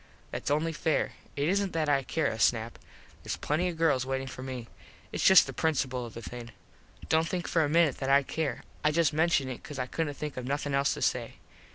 Thats only fair. It isn't that I care a snap. Theres plenty of girls waitin for me. Its just the principul of the thing. Dont think for a minit that I care. I just menshun it cause I couldnt think of nothin else to say.